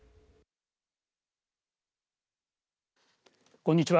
こんにちは。